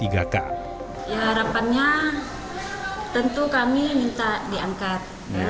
harapannya tentu kami minta diangkat